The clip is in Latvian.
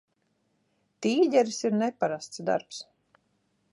"Tīģeris" ir neparasts darbs.